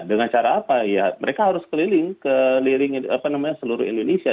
dengan cara apa ya mereka harus keliling keliling seluruh indonesia